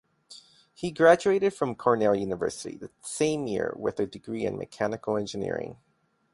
He graduated from Cornell University the same year with a degree in Mechanical Engineering.